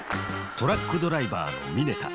トラックドライバーの峯田。